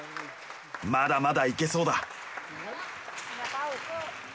まだまだ行けそうだ。